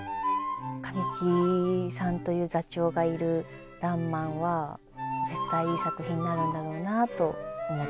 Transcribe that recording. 神木さんという座長がいる「らんまん」は絶対いい作品になるんだろうなと思っています。